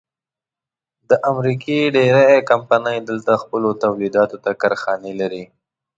د امریکې ډېرۍ کمپنۍ دلته خپلو تولیداتو ته کارخانې لري.